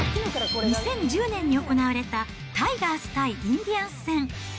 ２０１０年に行われたタイガース対インディアンス戦。